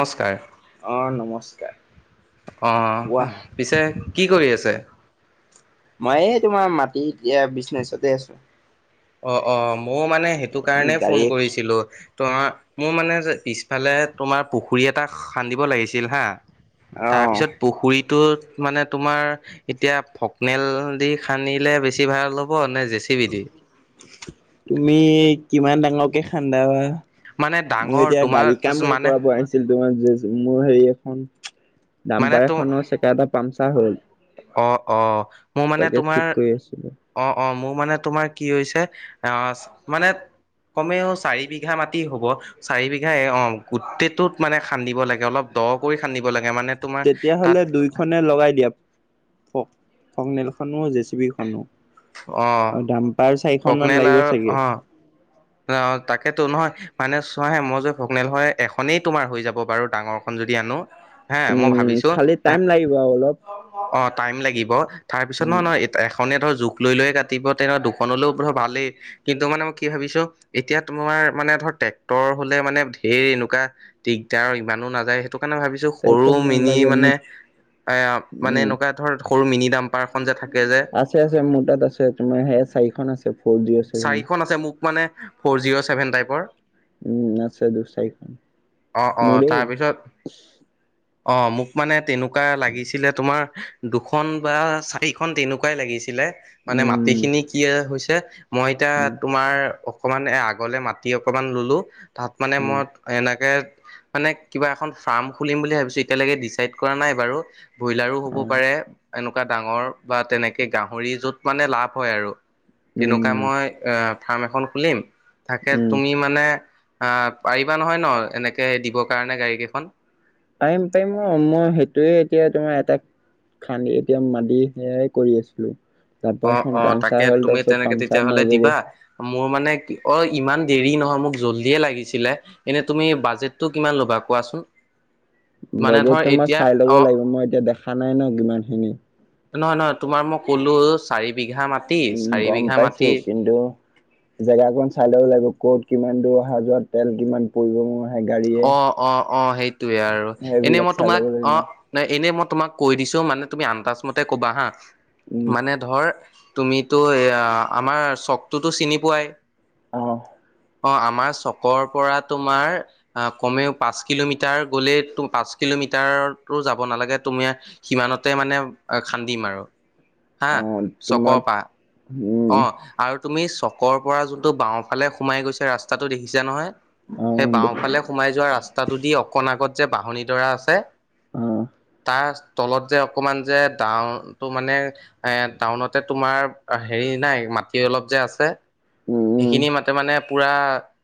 নমস্কাৰ অ' নমস্কাৰ। অ' কোৱা আহ পিছে কি কৰি আছে? মই তোমাৰ মাটি এতিয়া বিছনা ওচতে আছো। অ' অ' মইয়ো মানে সেইটো কাৰণে ফোন গাড়ী এখন। কৰিছিলো। তো মোৰ মানে যে পিছফালে তোমাৰ পুখুৰী এটা খান্দিব লাগিছিল হা অ তাৰপিছত পুখুৰীটো মানে তোমাৰ এতিয়া ফকনেল দি খান্দিলে বেছি ভাল হ'ব নে জে চি বি দি? তুমি কিমান ডাঙৰকে খান্দা বা। মানে মই ডাঙৰ এতিয়া তোমাৰ গাড়ী কামে মানে কৰাব আহিছিল তোমাৰ। মোৰ হেৰি এখন মানে দাম্বাৰ তো এখনৰ চেকা এটা পামচাৰ হ'ল। অহ মোৰ মানে তাকে তোমাৰ ঠিক কৰি আছিলো অহ অহ মোৰ। মানে তোমাৰ কি হৈছে অহ মানে। কমেও চাৰি বিঘা মাটি হ'ব চাৰি বিঘা এ অহ গোটেইটোত মানে খান্দিব লাগে অলপ। দ কৰি খান্দিব লাগে মানে। তোমাৰ তাত তেতিয়াহ'লে দুইখনে লগাই দিয়া। ফ ফকনেল খনো জে চি বি খনো। অ দাম্পাৰ অহ চাৰিখন মান ফকনেল লাগিব আৰু চাগে। অহ। অহ তাকেতো নহয় মা। মানে চোৱাহে মই যে ফগনেল হয় এখনেই তোমাৰ হৈ যাব বাৰু ডাঙৰখন যদি আনো। হে মই উম ভাবিছো খালি টা টাইম লাগিব আৰু অলপ অহ টাইম লাগি। লাগিব তাৰ পিছত উম নহ নয় খনে ধৰ জোখ লৈ লৈয়ে কাটিব তেনেকুৱা দুখনলৈও ধৰ ভালেই কিন্তু মানে মই কি ভাবিছোঁ এতিয়া তোমাৰ মানে ধৰ ট্ৰেক্টৰ হলে মানে ধেৰ এনেকুৱা দিগদাৰ ইমানো নাযায় ত সেইটো কাৰণে ভাবিছো সৰু ট্ৰেক্টৰ মিনি নালাগে মানে মোক এ মানে উম এনেকুৱা ধৰ সৰু মিনি ডাম্পাৰখন যে থাকে যে আছে আছে মোৰ তাত আছে তোমাৰ সেয়া চাৰিখন আছে ফ'ৰ জিৰ' চছেভেন চাৰিখন আছে মোক মানে ফ'ৰ জিৰ' ছেভেন টাইপৰ উম আচ্ছা তো চাৰিখন অ অ মোৰে তাৰপিছত অ মোক মানে তেনেকুৱা লাগিছিলে তোমাৰ দুখন বা চাৰিখন তেনেকুৱাই লাগিছিলে মানে মাটি উম খিনি কি হৈছে মই এতিয়া উম তোমাৰ অকণমান আগলৈ মাটি অকণমান ললোঁ তাত মানে উম মই এনেকে মানে কিবা এখন ফাৰ্ম খুলিম বুলি ভাবিছো এতিয়ালৈকে ডিচাইড কৰা নাই বাৰু ব্ৰইলাৰো হ'ব অ পাৰে এনেকুৱা ডাঙৰ বা তেনেকে গাহৰি য'ত মানে লাভ হয় আৰু তেনেকুৱা উম মই এ ফাৰ্ম এখন খুলিম তাকে উম তুমি মানে আহ পাৰিবা নহয় ন এনেকে দিবৰ কাৰণে গাড়ী কেইখন পাৰিম পাৰিম অ মই সেইটোয়ে এতিয়া তোমাৰ এটা খান্দি এতিয়া মাটি সেয়াই কৰি আছিলো অ', তাপা এখন অ', তাকে পামচাৰ হ'ল তুমি তাৰপিছত তেনেকে পামচাৰ তেতিয়াহ'লে মাৰিব দিবা। গল মোৰ মানে অ ইমান দেৰি নহয় মোক জল্ডিয়ে লাগিছিলে এনে তুমি বাজেটো কিমান ল'বা কোৱাচোন মানে বজেট ধৰ তোমাৰ এতিয়া চাই ল'ব অ', লাগিব মই এতিয়া দেখা নাই ন কিমান খিনি নহয় নহয় তোমাৰ মই কলো চাৰি বিঘা মাটি চাৰি বিঘা মাটি জেগা কন চাই লও লাগিব ক'ত কিমান দূৰ অহা যোৱা তেল কিমান পৰিব মোৰ সেই গাড়ীয়ে অ অ অ সেইটোয়ে আৰু এনেই সেইবিলাক মই চাই তোমাক ল'ব অ লাগিব এনে মই তোমাক কৈ দিছো মানে তুমি আন্দাজ মতে ক'বা হা উম মানে ধৰ তুমিতো এয়া আমাৰ চকটোতো চিনি পোৱাই আহ অ আমাৰ চকৰ পৰা তোমাৰ অ কমেও পাঁচ কিলোমিটাৰ গ'লে পাঁচ কিলোমিটাৰো যাব নালাগে তুমি সিমানত তে মানে খান্দিম আৰু হা অ তোমাৰ চকৰ পৰা উম অ আৰু তুমি, চকৰ পৰা যোনটো বাওঁফালে সোমাই গৈছে ৰাস্তাটো দেখিছে নহয়। অ সেই [unintelligible] বাওঁফালে সোমাই যোৱা ৰাস্তাটো দি অকণ আগত যে বাঁহনডৰা আছে। আহ, তলত যে অকমান যে ডাউনটো মানে এ টাউনতে তোমাৰ হেৰি নাই মাটি অলপ যে আছে উম উম সেইখিনি মাতে মানে পুৰা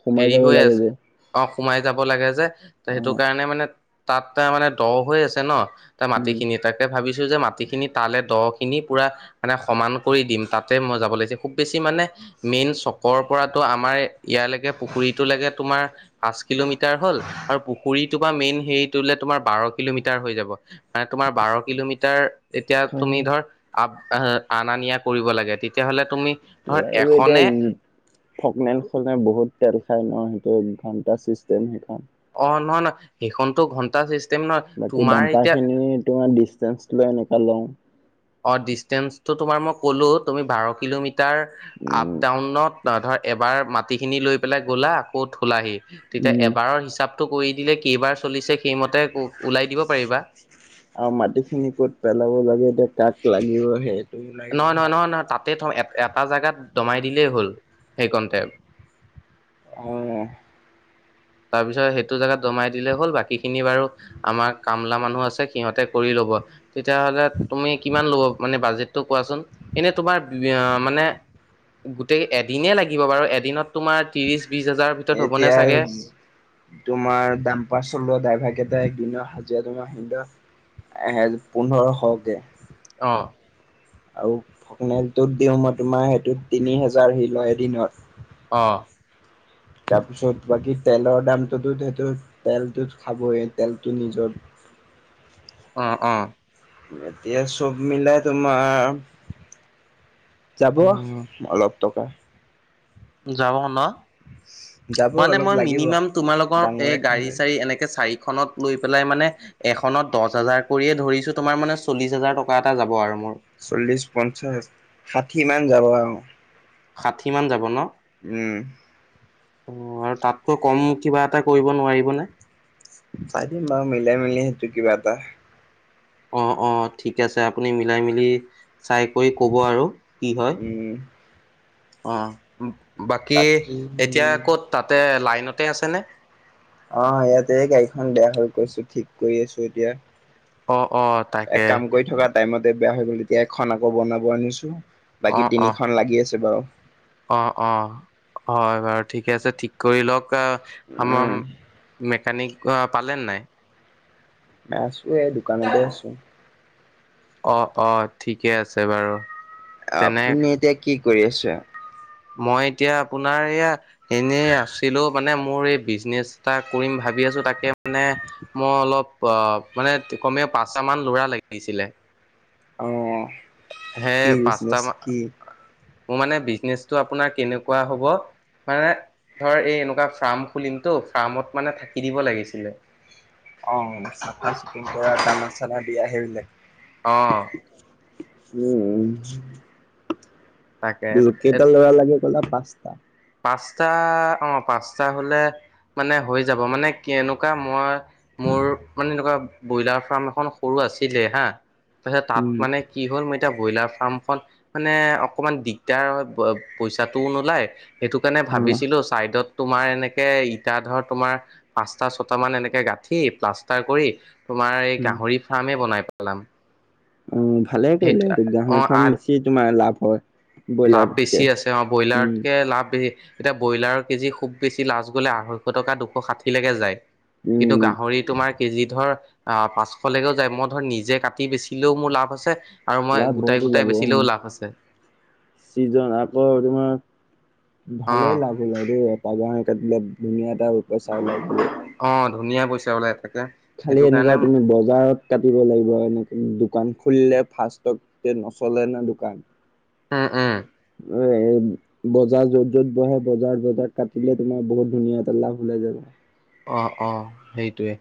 সোমাই হেৰি যাব হৈ লাগে আছে যে অ সোমাই যাব লাগে যে ত অ সেইটো কাৰণে মানে তাত তাৰ মানে দ হৈ আছে ন তাৰ উম মাটি খিনি তাকে ভাবিছো যে মাটি খিনি তালে দ খিনি পুৰা মানে সমান কৰি দিম তাতে মই যাব লাগি খুব বেছি মানে মেইন চকৰ পৰাতো আমাৰ ইয়ালৈকে পুখুৰীটো লকে তোমাৰ পাঁচ কিলোমিটাৰ হল আৰু পুখুৰীটো বা মেইন হেৰিটোলে তোমাৰ বাৰ কিলোমিটাৰ হৈ যাব মানে তোমাৰ বাৰ কিলোমিটাৰ এতিয়া খাব তুমি ধৰ আ আনা নিয়া কৰিব লাগে তেতিয়াহ'লে তুমি ধৰ লাগিব এতিয়া এখনে থঠগনলখন বহুত তেল খাই ন সেইটো ঘণ্টা চিষ্টেম সেই অ নহয় নহ সেইখনতো ঘন্টাৃ বাকী ডাম্পাৰ খিনি তোমাৰ ডিচেঞ্চ লৈ এনেকুৱা লওঁ অ ডিচটেন্ঞ্চটো তোমাৰ মই ক'লো তুমি বাৰ কিলোমিটাৰ আপ উম ডাউনত নহ ধৰ এবাৰ মাটি খিনি লৈ পেলাই গ'লা আকৌ থোলাহি তেতিয়া উম এবাৰৰ হিচাপতটো কৰি দিলে কেইবাৰ চলিছে সেইমতে ওলাই দিব পাৰিবা আৰু মাটিখিনি ক'ত পেলাব লাগে তাক লাগিও আহে নহয় নহয় নহয় নহয় তাত তাতে থ এটা জোগাত দমাই দিলেই হ'ল সেইকণতে অহ তাৰপিছত সেইটো জেগাত জমাই দিলে হ'ল বাকীখিনি বাৰু আমাৰ কামলা মানুহ আছে সিহঁতে কৰি লব তেতিয়াহ'লে তুমি কিমান লব মানে বাজেটটো কোৱাচোন এনে তোমাৰ মানে গোটেই এদিনে লাগিব বাৰু এদিনত তোমাৰ ত্ৰিশ বিশ হাজাৰৰ ভিতৰত হ'বনেে এতিয়া চাগে তোমাৰ দাম পাৰ চলোৱা ড্ৰাইভাৰ কেইটা একদিনৰ হাজিৰা তোমাৰ আহি এ পোন্ধৰশকে অহ আৰু ফকনেলটোত দিওঁ মই তোমাৰ সেইটোত তিনি হেজাৰ হ লয় এদিনত অহ তাৰপিছত বাকী তেলৰ দামটোতো সেতটো তেলটো খাবইেই তেলটো নিজৰ অ অ এতিয়া চব মিলাই তোমাৰ যাব উম অলপ টকা যাব ন যাব মানে অলপ মই লাগিব মিনিমাম তোমাল লগোকৰ এ ডাঙৰে গাড়ী খান্দে চাড়ী এনেকে চাৰি এখনত লৈ পেলাই মানে এখনত দহ হাজাৰ কৰিয়ে ধৰিছো তোমাৰ মানে চল্লিশ হাজাৰ টকা এটা যাব আৰু মোৰ চল্লিশ পঞ্চাশ ষাঠি মান যাব আৰু ষাঠি মান যাব ন উম অ আৰু তাতকৈ কম কিবা এটা কৰিব নোৱাৰিবনে চাইিম বা মিলাই মিলি সেইটো কিবা এটা অ অ ঠিক আছে আপুনি মিলাই মিলি চাই কৰি কব আৰু কি হয় উম অ বাকী এতিয়া ক'ত তাতে লাইনতে আছেনে আহ ইয়াতে গাড়ীখন বেয়া হৈ গৈছো ঠিক কৰি আছো এতিয়া অ', অ', তাকে এক কাম কৰি থকা টাইমত বেয়া হৈ গ'ল তেতিয়া এখন আকৌ বনাব আনিছো বাকী অ', অ', তিনিখনন লাগি আছে বাৰু অ অ হয় বাৰু ঠিকে আছে ঠিক কৰি লওক াৰ উম মেকানিক পালে নাই আছো এ দোকানতে আছো অ অ ঠিকে আছে বাৰু তেনে আপুনি এতিয়া কি কৰি আছে মই এতিয়া আপোনাৰ এয়া এনে আছিলোও মানে মোৰ এই বিজনেচ এটা কৰিম ভাল ভাবি আছো তাকে মানে মই অলপ অ মানে কমে পাঁচটা মান লৰা লাগিছিলে অ সে কি পাঁচটা বিজনেচ ম- কি? মোৰ মানে বিজনেচ আপোনাৰ কেনেকুৱা হব মানে ধৰ এই এনেকুৱা ফাৰ্ম খুলিমতটো ফাৰ্মত মানে থাকি দিব লাগিছিলে অ চাফা চফুন কৰা দামা চালা দিয়া সেই বিললোক অহ উম তাকে উ এ কেইটা ল লাগে ক'লা পাঁচটা পাঁচটা অঁ পাঁচটা হ'লে মানে হৈ যাব মানে এনেকুৱা মই মোৰ মানে এনেকুৱা ব্ৰইলাৰ ফাৰ্ম এখন সৰু আছিলে হা ত তাত উম মানে কি হ'ল ম এতিয়া ব্ৰইলাৰ ফাৰ্মখন মানে অকমান দিগদাৰ হয় পইচাটোও নোলায় সেইটো কাৰণে অ। ভাবিছিলোঁ ছাইডত তোমাৰ এনেকে ইটা ধৰ তোমাৰ পাঁচটা ছটা মান এনেকে গাঁঠি প্লাষ্টাৰ কৰি তোমাৰ এই উম গাহৰি ফাৰ্মে বনাই পেলাম অ ভালে সেইটো কৰিলে এই অ গাহৰি আ ফাৰ্ম বেছি তোমাৰ লাভ হয় লাভ ব্ৰইলাৰতকে বেছি আছে অ উম ব্ৰইলাৰতকে লাভ এতিয়া ব্ৰইলাৰৰ কেজি খুব বেছি লাজ গ'লে আঢ়ৈশ টকা দুশ ষাঠিিলৈকে যায় কিন্তু উম গাহৰি তোমাৰ কেজি ধৰ আহ পাঁচশলৈকেও যায় মই ধৰ নিজে কাটি বেচিলেও মোৰ লাভ আছে আৰু মই লাভ বহুত গোটাই ওলাব গোটাই উম। বেচিলেও লাভ আছে চিজন আকৌ তোমাৰ অ ভালেই লাভ লাই দেই এটা গান কেডলত ধুনীয়া এটা ৰ চা ওলাই গ অ ধুনীয়া পইচা বোলে খালি এনেকুৱা তুমি বজাৰত কাটিব লাগিব এনে দোকান খুলিলে ফাৰক নচলে নে দোকান উম উম হয় বজাৰ য'ত যত বহে বজাৰ বজাৰ কাটিলে তোমাৰ বহুত ধুনীয়া এটা লাভ ওলাই যাব অ অ সেইটোৱে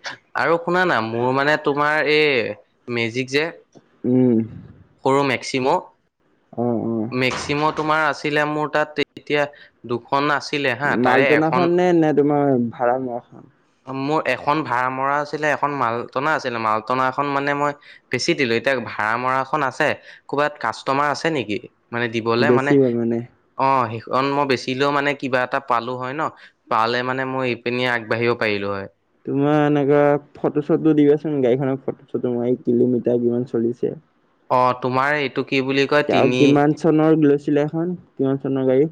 আৰু শুনা না মোৰ মানে তোমাৰ এই মেজিক যে এক উম সৰু মেক্সিম' অ অ মেক্সিম তোমাৰ আছে আছিলে মোৰ তাত এতিয়া দুখন আছিল মালটনাখন নে, নে তোমাৰ ভাড়ামৰা খন মোৰ এখন ভাড়া মৰা আছিলে এখন মালটনা আছিলে মালটনা এখন মানে মই বেচি দিলো এতিয়া ভাড়া মৰাখন আছে ক'বাত কাষ্টমাৰ আছে নেকি? মানে দিবলে মানে অ সেখ কাৰণ মই বেচিলেও মানে কিবা এটা পালো হয় ন পালে মানে মই এইপিনি আগবাঢ়িব পাৰিলো হয়। তোমাৰ এনেকুৱা ফটো চটোটো দিবাচোন গাড়ীখনৰ ফটো চটো মাৰি কিলোমিটাৰ কিমান চলিছে। অ তোমাৰ এইটো কি বুলি কয় তেওঁ তিনি কিমান চনৰ লৈছিলে এখন কিমান চনৰ গাড়ী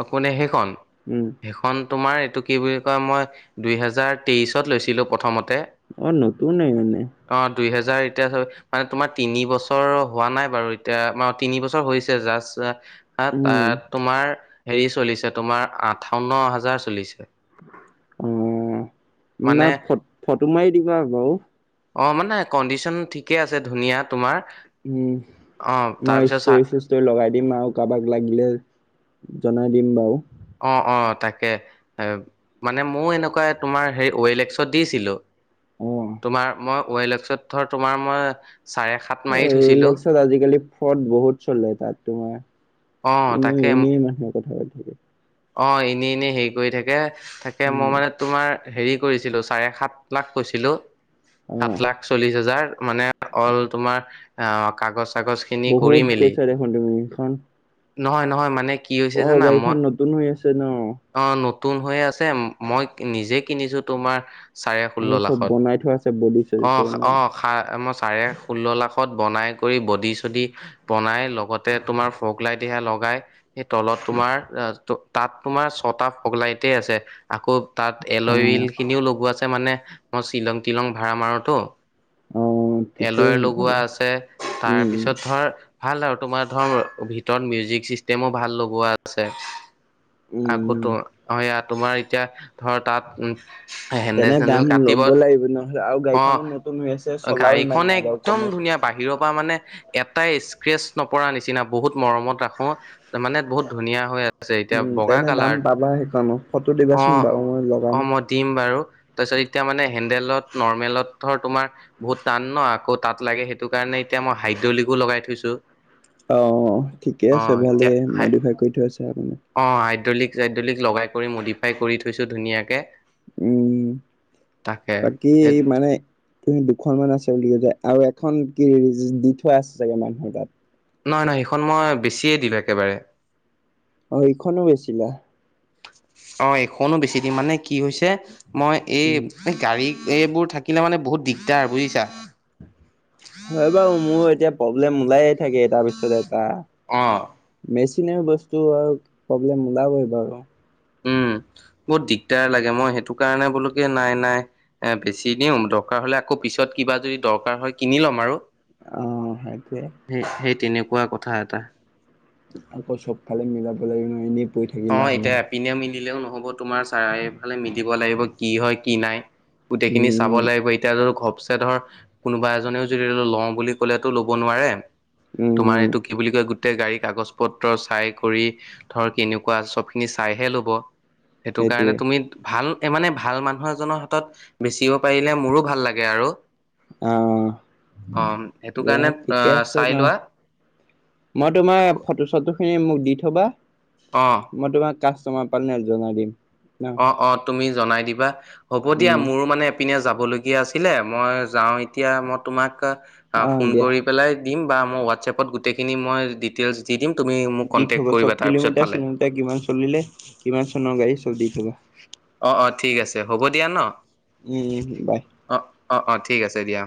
অকো নে সেইখন উম। সেইখন তোমাৰ এইটো কি বুলি কয় মই দুই হেজাৰ তেইশত লৈছিলো প্ৰথমতে অ নতুন ন মে যাৰ এতিয়া মানে তোমাৰ তিনি বছৰ হোৱা নাই বাৰু এতিয়া তিন বছৰ হৈছে জাষ্ট হা উম তাত তোমাৰ হেৰি চলিছে তোমাৰ আঠাৱন্ন হাজাৰ চলিছে অ মানে নাই ফ ফটো মাৰি দিবা বাৰু অঁ মানে কণ্ডিশ্যন ঠিকেই আছে ধুনীয়া তোমাৰ উম অ মই তাৰপিছত চা ষ্টৰি চিষ্টৰি লগাই দিম আৰু কাৰোবাক লাগিলে জনাই দিম বাও অ অ তাকে মানে ময়ো এনেকুৱা তোমাৰ হেৰি ৱলে লেক্সত দিছিলো অ তোমাৰ মই ৱলে লেক্সত ধৰ তোমাৰ মই চাৰে সাত এ মাৰি ল'লে থৈছিলো লেক্সত আজিকালি ফ্ৰড বহুত চললে তাত তোমাৰ অ এনেই তাকে এনে মানুহে কথা পাত অ এনে এনেই হেৰি কৰি থাকে তাকে মই উম মানে তোমাৰ হেৰি কৰিছিলো চাৰে সাত লাখ কৈছিলো অ সাত লাখ চল্লিশ হাজাৰ মানে অল তোমাৰ আহ কাগজ চাগজ খিনি বহুত কৰি মেলি কৈছা দেখোন তুমি এইখন নহয় নহয় মানে কি অ হৈছে জানা গাড়ীখন মই নতুন হৈ আছে ন অ নতুন হৈ আছে মই নিজে কিনিছো তোমাৰ চাৰে ষোল্ল আৰু চব লাখত বনাই থোৱা আছে বডি চডি অ চাগে ন অ মই চাৰে ষোল্ল লাখ খত বনাই কৰি বডি চদি বনাই লগতে তোমাৰ ফক লাইট সেয়া লগাই সেই তলত তোমাৰ তাত তোমাৰ ছটা ফগলাইটে আছে আকৌ তাত অ এলওইল খিনিও লগোৱা আছে মানে মই শ্বিলং তিলং ভাড়া মাৰোতো অ ঠিকেই এলয়েৰ লগোৱা সেইফালে আছে উম তাৰপিছত ধৰ ভাল আৰু তোমাৰ ধৰ ভিত ৰত মিউজিক চিষ্টেমো ভাল লগোৱা আছে উম আকৌ উম ত ইয়াত তোমাৰ এতিয়া ধৰ তাত উম তেনে দাম ল'ব লাগিব নহলে আও গাড়ীখনো নতুন হৈ আছে চলাও গাড়ী ইমান খনে নাই বাৰু একদম কমেই ধুনীয়া চলিছে। বাহিৰৰ পৰা মা মানে এটাই স্ক্ৰেচ নপৰা নিচিনা বহুত মৰমত ৰাখো মানে বহুত ধুনীয়া হৈ আছে এতিয়া উম, বগা তেনে দাম কালাৰ পাবা সেইখনত ফটো অ দিবাচোন বাৰু মই লগাম। অ মই দিম বাৰু তাৰপিছত এতিয়া মানে হেডেলত নৰ্মেলত তোমাৰ বহুত টান ন আকৌ তাত লাগে সেইটো কাৰণে এতিয়া মই হাইড্ৰলিকো লগাই থৈছো। অ ঠিকে অ আছে এতিয়া ভালেই হাই মডিফাই কৰি থৈচা। অ হাইড্ৰলিক ল লগাই কৰি মডিফাই কৰি থৈছোঁ ধুনীয়াকে। উম তাকে বাকী মানে তুমি দুখন মান আছ। ল আৰু এখন কি হ দি থোৱা আছে চাগে মানুহৰ তাত নহয় নহয় সেইখন মই বেছিয়ে দিলো একেবাৰে। অ এইখনো বেচিলা। অ এখনো বেছি দিম মানে কি হৈছে মই এই উম। গাড়ী এইবোৰ থাকিলে মানে বহুত দিগদাৰ বুজিছা। হয় বাৰু মোৰ এতিয়া প্ৰব্লেম ওলাইে থাকে তাৰ পিছত এটা। অ বস্তু আৰু প্ৰব্লেম ওলাবই আৰু। উম বহুত দিগদাৰ লাগে মই সেইটো কাৰণে বোলো কি নাই নাই এ বেছি দিওঁ দৰকাৰ হলে আকৌ পিছত কিবা যদি দৰকাৰ হয়, কিনি ল'ম আৰু অ', সেইটোৱে। সেই সেই তেনেকুৱা কথা। কথা এটা আকৌ চবফালে মিলাবলে ননে অ' এতিয়া এপিনে মিলিলেও নহ'ব তোমাৰ চাৰিওফালে মিলিব লাগিব কি হয় কি নাই। গোটেইখিনি চাব উম, লাগিব এতিয়া ধ ঘপ ধৰ কোনোবা এজনেও যদি লওঁ বুলি কলেওটো ল'ব নোৱাৰে। তোমাৰ উম, এইটো কি বুলি কয় গোটেই গাড়ী কাগজ পত্ৰ চাই কৰি ধৰক। কেনেকুৱা চবখিনি চাইহে ল'ব সেইটো কাৰণে সেইটোৱে তুমি ভাল মানে ভাল মানুহ এজনৰ হাতত বেচিব পাৰিলে মোৰো ভাল লাগে আৰু আহ অ সেইটো এ কাৰণে ঠিকে আহ আছে চাই লোৱা মই তোমাৰ ফটো চটো খিনি মোক দি থবা অ মই তোমাক কাষ্টমাৰ পৰা জনাই দিম। ন অ অ তুমি জনাই দিবা হ'ব দিয়া উম, মোৰো মানে পিনে যাবলগীয়া আছিলে মই যাওঁ এতিয়া মই তোমাক অ', ফোন দিয়া কৰি পেলাই দিম বা মই হোৱাটছএপত গোটেইখিনি মই ডিটেইলছ দি দিম। তুমি মোক দি কণ্টেক্ট থবা কৰিবা চ'ব তাৰপিছত কিলোমিটাৰ পালে চিলোমিটাৰ কিমান চলিলে কিমান চনৰ গাড়ী চ'ব দি থবা। অ' অ' ঠিক আছে হ'ব দিয়া ন উম, বাই। অ' অ' অ' ঠিক আছে দিয়া।